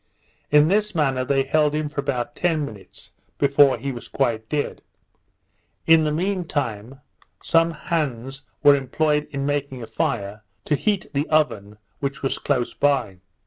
In this manner they held him for about ten minutes before he was quite dead. In the mean time, some hands were employed in making a fire, to heat the oven, which was close by.